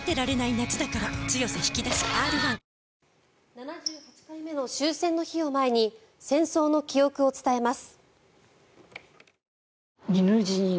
７８回目の終戦の日を前に戦争の記憶を伝えます。